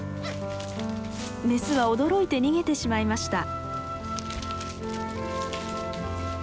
メスは驚いて逃げてしまいました。